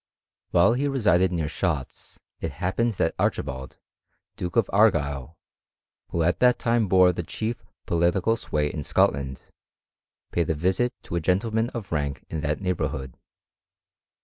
While he resided near Shotts, it happened that Archibald, Duke of Argyle, who at that time bore the chief political sway in Scotland, paid a visit to a gentleman of rank in that neighbourhood.